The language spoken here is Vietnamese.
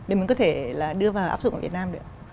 để mình có thể là đưa vào áp dụng ở việt nam được